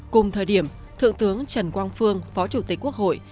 cùng thời điểm thượng tướng trần quang phương phó chủ tịch quốc hội